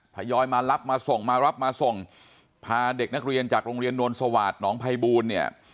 ทยอยมารับมาส่งมารับมาส่งพาเด็กนักเรียนจากโรงเรียนนวลสวาสตร์หนองภัยบูลเนี่ย